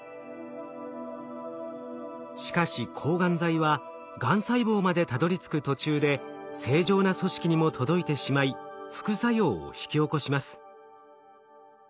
しかし抗がん剤はがん細胞までたどりつく途中で正常な組織にも届いてしまい副作用を引き起こします。